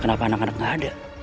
kenapa anak anak tidak ada